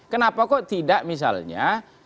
kenapa kok tidak misalnya